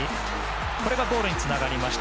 これがゴールにつながりました。